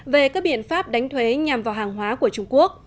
về các biện pháp đánh thuế nhằm vào hàng hóa của trung quốc